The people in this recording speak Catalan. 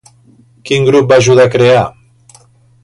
Quin grup va ajudar a crear?